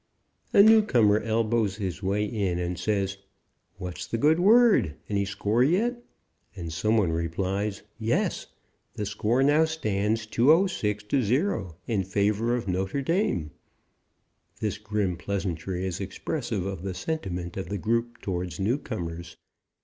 A newcomer elbows his way in and says: "What's the good word? Any score yet?" and some one replies: "Yes. The score now stands 206 to 0 in favor of Notre Dame." This grim pleasantry is expressive of the sentiment of the group toward newcomers.